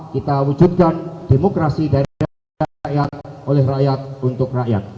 kita wujudkan demokrasi dari rakyat oleh rakyat untuk rakyat